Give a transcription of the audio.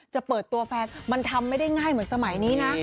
จะเปิดตัวแฟนมันทำไม่ได้ง่ายเหมือนสมัยนี้นะ